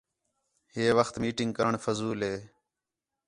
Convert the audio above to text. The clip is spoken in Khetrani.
ہے وخت میٹنگ کرݨ فضول ہے